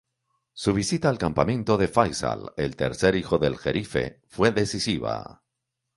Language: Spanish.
Su visita al campamento de Faysal, el tercer hijo del jerife, fue decisiva.